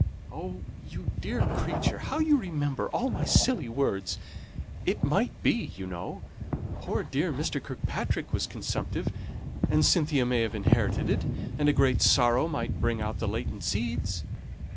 "Oh, you dear creature, how you remember all my silly words! It might be, you know. Poor dear Mr. Kirkpatrick was consumptive, and Cynthia may have inherited it, and a great sorrow might bring out the latent seeds.